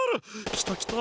きたきた！